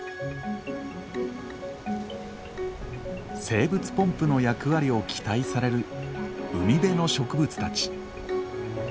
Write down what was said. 生物ポンプの役割を期待される海辺の植物たち。